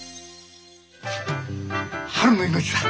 春の命だ！